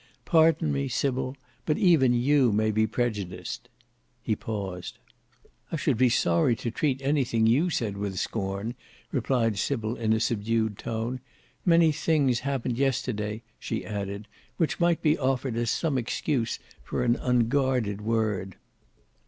Pardon me, Sybil, but even you may be prejudiced." He paused. "I should be sorry to treat anything you said with scorn," replied Sybil in a subdued tone. "Many things happened yesterday," she added, "which might be offered as some excuse for an unguarded word."